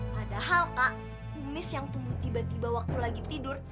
padahal kak kumis yang tumbuh tiba tiba waktu lagi tidur